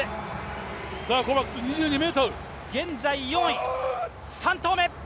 現在４位、３投目。